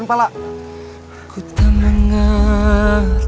yang dalam kubik pandanganmu